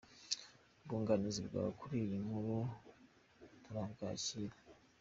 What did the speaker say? Ubwunganizi bwawe kuri iyi nkuru turabwakira.